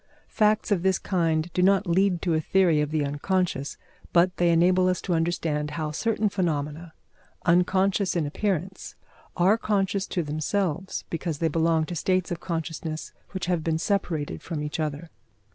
Facts of this kind do not lead to a theory of the unconscious, but they enable us to understand how certain phenomena, unconscious in appearance, are conscious to themselves, because they belong to states of consciousness which have been separated from each other.